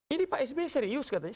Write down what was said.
ini pak sby serius katanya